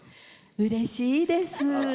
うれしいです。